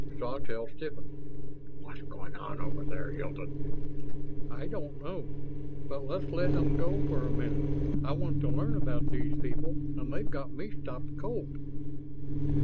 Sawtelle stiffened. "What's going on over there, Hilton?" "I don't know; but let's let 'em go for a minute. I want to learn about these people and they've got me stopped cold."